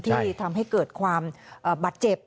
ที่ทำให้เกิดความบาดเจ็บ